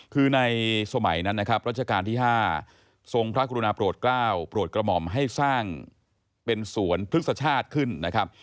คือในสมัยนั้นนะครับรัชกาลที่๕ทรงพระกรุณาโปรดกล้าวโปรดกระหม่อมให้สร้างเป็นสวนพฤกษชาติขึ้นนะครับ